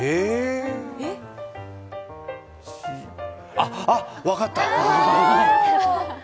あっ、あっ分かった！